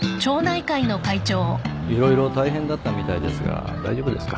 色々大変だったみたいですが大丈夫ですか？